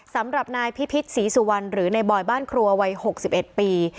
สำหรับนายพิพิษศรีสุวรรณหรือในบอยบ้านครัววัย๖๑ปี